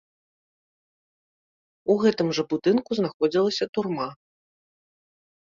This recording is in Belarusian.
У гэтым жа будынку знаходзілася турма.